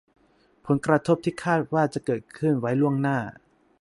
ผลกระทบที่คาดว่าจะเกิดขึ้นไว้ล่วงหน้า